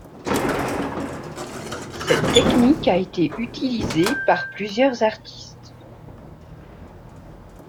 Cette technique a été utilisée par plusieurs artistes.